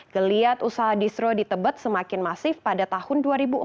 geliat usaha distro di tebet semakin masif pada tahun dua ribu empat